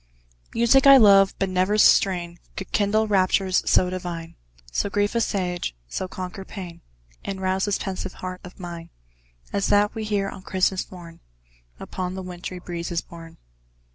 Music I love but never strain Could kindle raptures so divine, So grief assuage, so conquer pain, And rouse this pensive heart of mine As that we hear on Christmas morn, Upon the wintry breezes borne.